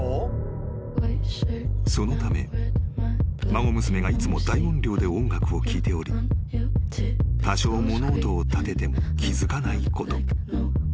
［そのため孫娘がいつも大音量で音楽を聴いており多少物音を立てても気付かないこと］